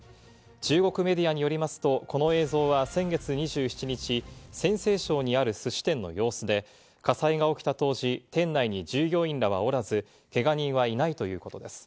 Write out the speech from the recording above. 中国メディアによりますと、この映像は先月２７日、陝西省にあるすし店の様子で、火災が起きた当時、店内に従業員らはおらず、けが人はいないということです。